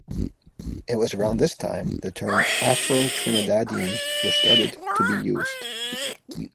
It was around this time the term Afro-Trinidadian was started to be used.